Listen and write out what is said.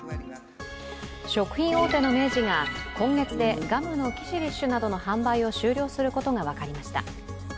食品大手の明治が今月でガムのキシリッシュなどの販売を終了することが分かりました。